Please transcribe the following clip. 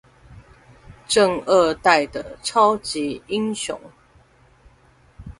政二代的超級英雄